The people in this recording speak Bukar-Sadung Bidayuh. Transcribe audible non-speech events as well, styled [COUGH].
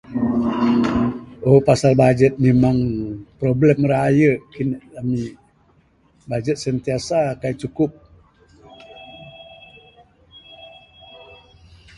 {uhh Pasal budget memang problem rayu' ami. Budget sentiasa kai' cukup. [NOISE]